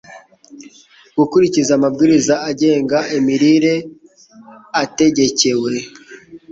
gukurikiza amabwiriza agenga imirire ategekewe.